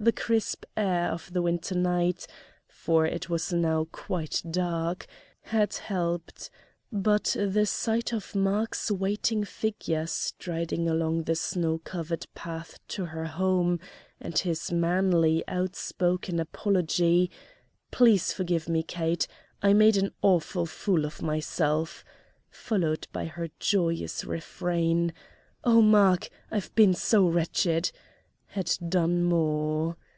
The crisp air of the winter night for it was now quite dark had helped, but the sight of Mark's waiting figure striding along the snow covered path to her home and his manly outspoken apology, "Please forgive me, Kate, I made an awful fool of myself," followed by her joyous refrain, "Oh, Mark! I've been so wretched!" had done more.